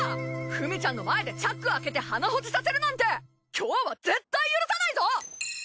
フミちゃんの前でチャック開けてハナホジさせるなんて今日は絶対許さないぞ！